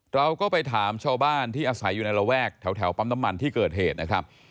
เราก็ไปถามชาวบ้านที่อาศัยอยู่ในระแวกแถวปั๊มน้ำมันที่เกิดเหตุนะครับ